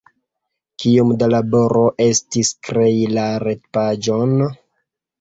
Kiom da laboro estis krei la retpaĝon?